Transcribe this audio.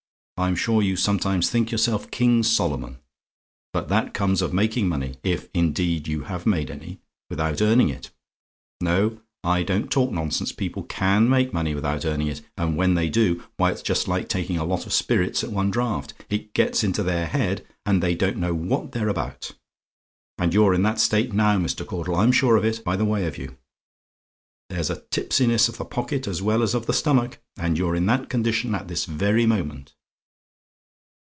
I'm sure you sometimes think yourself King Solomon. But that comes of making money if, indeed, you have made any without earning it. No; I don't talk nonsense: people CAN make money without earning it. And when they do, why it's like taking a lot of spirits at one draught; it gets into their head, and they don't know what they're about. And you're in that state now, Mr. Caudle: I'm sure of it, by the way of you. There's a tipsiness of the pocket as well as of the stomach and you're in that condition at this very moment.